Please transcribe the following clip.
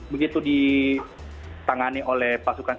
begitu ditangani oleh pesuan